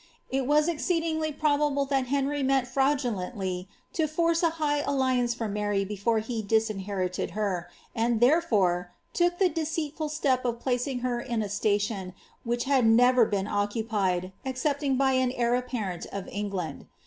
It was exceedingly probable that Henry meant fraudulently to force a high alliance for Mary before he disinherited her, and therefore took the deceitful step of placing her in a station which had never been oeeupied, excepting by an heir apparent of England.